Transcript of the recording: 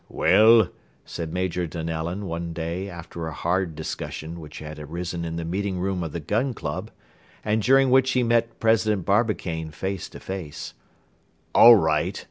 "Well," said Major Donellan one day after a hard discussion which had arisen in the meeting room of the Gun Club and during which he met President Barbicane face to face, "all right.